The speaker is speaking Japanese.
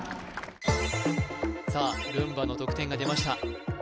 さあルンバの得点が出ました